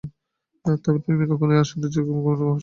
তবে আমি কখনই আমার সৌন্দর্যের সাথে ঘুমের আপোষ করি না।